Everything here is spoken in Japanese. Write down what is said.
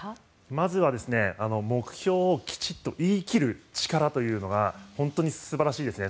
まずは目標をきちんと言い切る力というのが本当に素晴らしいですね。